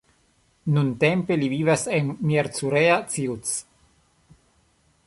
Nuntempe li vivas en Miercurea Ciuc.